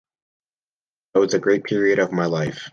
That was a great period of my life.